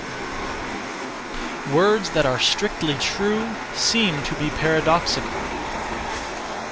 Words that are strictly true seem to be paradoxical.